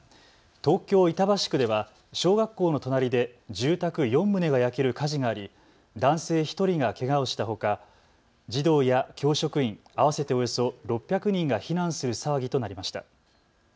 東京板橋区では小学校の隣で住宅４棟が焼ける火事があり男性１人がけがをしたほか児童や教職員合わせておよそ６００人が避難する騒ぎとなりました。